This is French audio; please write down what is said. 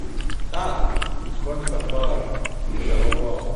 Ah ! il croit nous faire peur ; nous allons voir.